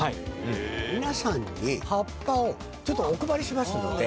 皆さんに葉っぱをお配りしますので。